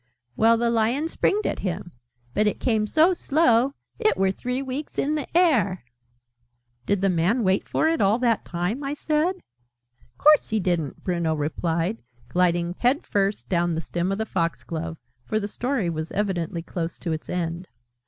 "Well, the Lion springed at him. But it came so slow, it were three weeks in the air " "Did the Man wait for it all that time?" I said. "Course he didn't!" Bruno replied, gliding head first down the stem of the fox glove, for the Story was evidently close to its end.